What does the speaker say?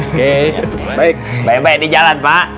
oke baik baik di jalan pak